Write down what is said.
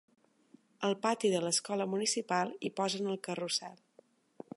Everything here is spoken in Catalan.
Al pati de l'escola municipal hi posen el carrusel.